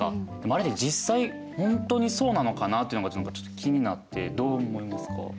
まるで実際本当にそうなのかなっていうのがちょっと気になってどう思いますか？